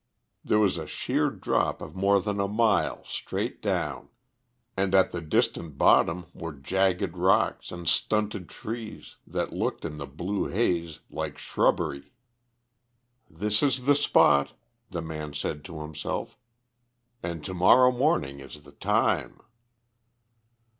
There was a sheer drop of more than a mile straight down, and at the distant bottom were jagged rocks and stunted trees that looked, in the blue haze, like shrubbery. "This is the spot," said the man to himself, "and to morrow morning is the time."